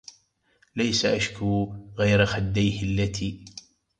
ليس أشكو غير خديه التي